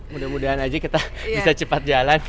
mudah mudahan aja kita bisa cepat jalan